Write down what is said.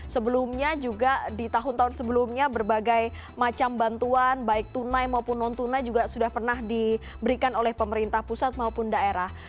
sebelumnya juga di tahun tahun sebelumnya berbagai macam bantuan baik tunai maupun non tunai juga sudah pernah diberikan oleh pemerintah pusat maupun daerah